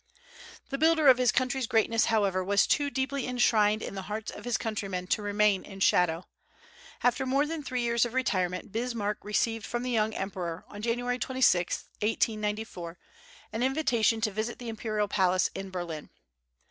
The builder of his country's greatness, however, was too deeply enshrined in the hearts of his countrymen to remain in shadow. After more than three years of retirement, Bismarck received from the young emperor on January 26,1894, an invitation to visit the imperial palace in Berlin.